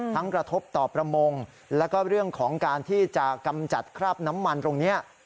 กระทบต่อประมงแล้วก็เรื่องของการที่จะกำจัดคราบน้ำมันตรงนี้